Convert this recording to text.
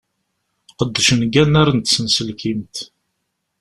Qedcen deg unnar n tsenselkimt.